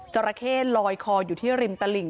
ราเข้ลอยคออยู่ที่ริมตลิ่ง